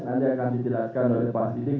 nanti akan dijelaskan oleh pak sidik